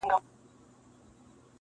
دا کيسه د انسان د وجدان غږ ګرځي,